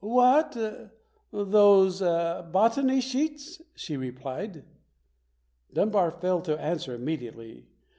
"What, those botany sheets?" she replied. Dunbar failed to answer immediately.